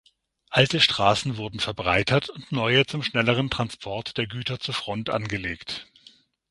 Alte Straßen wurden verbreitert und neue zum schnelleren Transport der Güter zur Front angelegt.